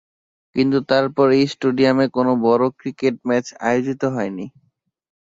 কিন্তু তার পর এই স্টেডিয়ামে কোনও বড়ো ক্রিকেট ম্যাচ আয়োজিত হয়নি।